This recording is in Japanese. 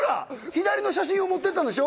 左の写真を持っていったんでしょ？